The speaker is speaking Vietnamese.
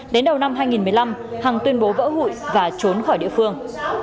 đến đầu năm hai nghìn một mươi năm hằng tuyên bố vỡ hụi và trốn khỏi địa phương